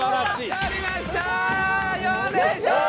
やりましたー！